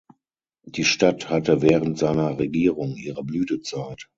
Die Stadt hatte während seiner Regierung ihre Blütezeit.